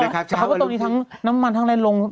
แต่เขาก็ตรงนี้ทั้งน้ำมันทั้งแรงลง